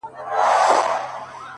• پښتنو واورئ! ډوبېږي بېړۍ ورو ورو,